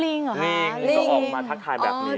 ลิงนี่ก็ออกมาทักทายแบบนี้